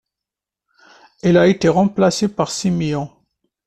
Il a été remplacé par Siméon.